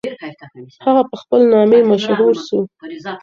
هغه په خپل نامې مشهور سو.